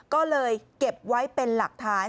ก็เลยเก็บไว้เป็นหลักฐาน